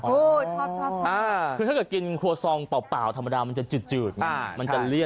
ชอบชอบคือถ้าเกิดกินครัวซองเปล่าธรรมดามันจะจืดมันจะเลี่ยน